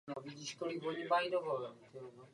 Za svůj život vydal také mnoho monografií.